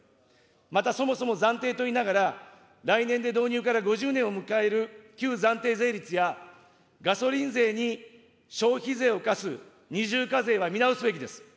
またそもそも暫定といいながら、来年で導入から５０年を迎える旧暫定税率や、ガソリン税に消費税を課す二重課税は見直すべきです。